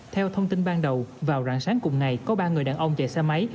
theo thông tin ban đầu vào rạng sáng cùng ngày có ba người đàn ông chạy xe máy